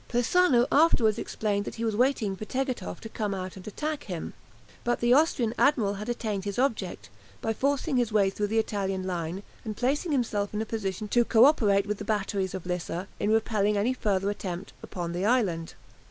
Persano afterwards explained that he was waiting for Tegethoff to come out and attack him. But the Austrian admiral had attained his object, by forcing his way through the Italian line, and placing himself in a position to co operate with the batteries of Lissa, in repelling any further attempt upon the island.